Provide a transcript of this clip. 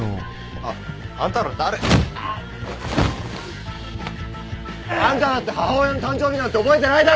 あっ！あんただって母親の誕生日なんて覚えてないだろ！